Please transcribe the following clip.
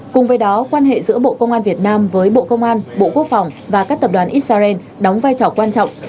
cùng với đó quan hệ giữa bộ công an việt nam với bộ công an bộ quốc phòng và các tập đoàn israel đóng vai trò quan trọng